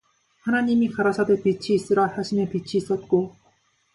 하나님이 가라사대 빛이 있으라 하시매 빛이 있었고